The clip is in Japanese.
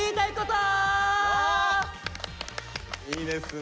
いいですね。